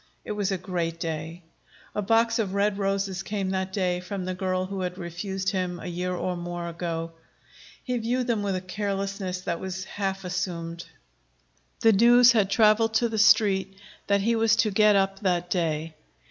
It was a great day. A box of red roses came that day from the girl who had refused him a year or more ago. He viewed them with a carelessness that was half assumed. The news had traveled to the Street that he was to get up that day.